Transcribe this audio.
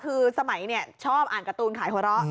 คือสมัยชอบอ่านการ์ตูนขายหัวเราะ